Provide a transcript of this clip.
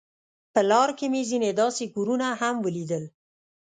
په لار کې مې ځینې داسې کورونه هم ولیدل.